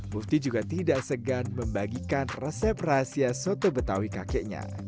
mufti juga tidak segan membagikan resep rahasia soto betawi kakeknya